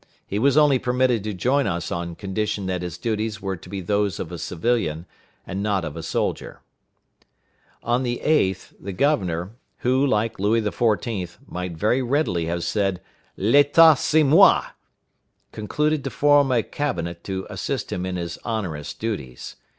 He was only permitted to join us on condition that his duties were to be those of a civilian, and not of a soldier. On the 8th, the governor, who, like Louis XIV., might very readily have said, "L'état, c'est moi!" concluded to form a cabinet to assist him in his onerous duties.